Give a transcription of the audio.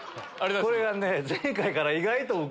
これがね。